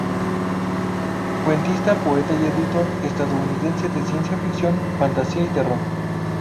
Cuentista, poeta y editor estadounidense de ciencia ficción, fantasía y terror.